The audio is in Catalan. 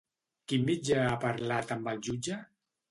Quin mitjà ha parlat amb el jutge?